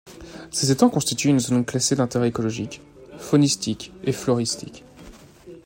Ces étangs constituent une zone classée d’intérêt écologique, faunistique et floristique.